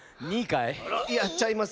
いやちゃいます。